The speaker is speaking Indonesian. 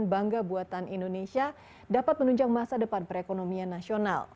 dan bangga buatan indonesia dapat menunjang masa depan perekonomian nasional